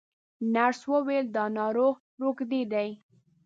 نرس وویل دا ناروغ روږدی دی.